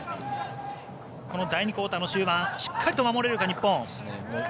この第２クオーターの終盤しっかりと守れるか、日本。